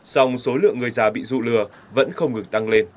song số lượng người già bị dụ lừa vẫn không ngừng tăng lên